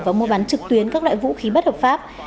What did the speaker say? và mua bán trực tuyến các loại vũ khí bất hợp pháp